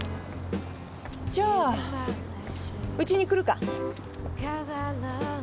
じゃあウチに来るか？